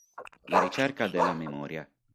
La ricerca della memoria".